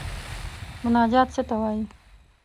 مناجات څه ته وايي.